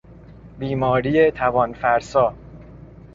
بیماری توان فرسا